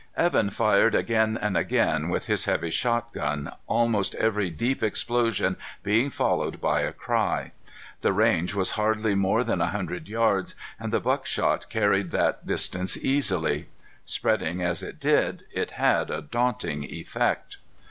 Evan fired again and again with his heavy shotgun, almost every deep explosion being followed by a cry. The range was hardly more than a hundred yards, and the buckshot carried that distance easily. Spreading as it did, it had a daunting effect.